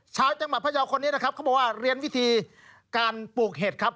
ชาวจังหวัดพยาวคนนี้นะครับเขาบอกว่าเรียนวิธีการปลูกเห็ดครับ